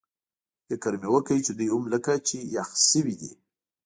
فکر مې وکړ چې دوی هم لکه چې یخ شوي دي.